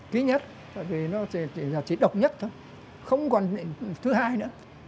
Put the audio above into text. ký nhất vì nó chỉ độc nhất thôi không còn thứ hai nữa